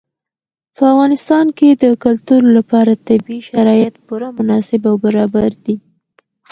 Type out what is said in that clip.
په افغانستان کې د کلتور لپاره طبیعي شرایط پوره مناسب او برابر دي.